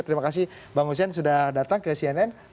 terima kasih bang hussein sudah datang ke cnn